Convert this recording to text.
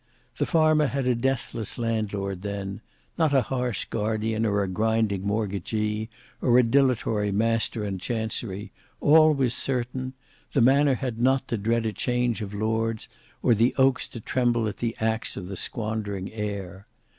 The farmer had a deathless landlord then; not a harsh guardian, or a grinding mortgagee, or a dilatory master in chancery, all was certain; the manor had not to dread a change of lords, or the oaks to tremble at the axe of the squandering heir.